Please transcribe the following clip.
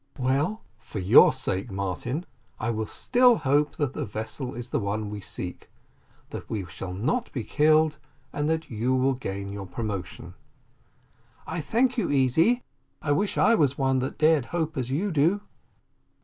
"Well, for your sake, Martin, I will still hope that the vessel is the one we seek, that we shall not be killed, and that you will gain your promotion." "I thank you, Easy I wish I was one that dared hope as you do."